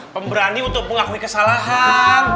pemberani untuk mengakui kesalahan